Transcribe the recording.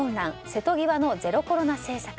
瀬戸際のゼロコロナ政策。